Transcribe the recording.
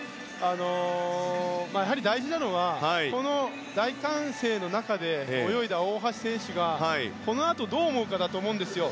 やはり大事なのはこの大歓声の中で泳いだ大橋選手がこのあとどう思うかなんですよ。